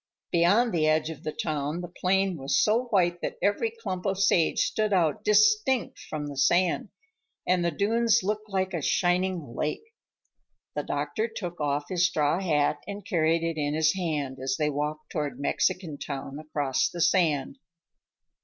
Beyond the edge of the town the plain was so white that every clump of sage stood out distinct from the sand, and the dunes looked like a shining lake. The doctor took off his straw hat and carried it in his hand as they walked toward Mexican Town, across the sand.